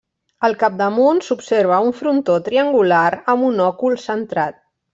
Al capdamunt s'observa un frontó triangular amb un òcul centrat.